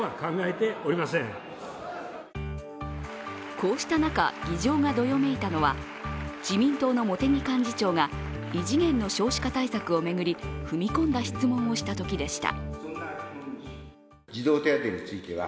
こうした中、議場がどよめいたのは自民党の茂木幹事長が異次元の少子化対策を巡り踏み込んだ質問をしたときでした。